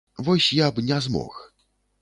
Вось я б не змог.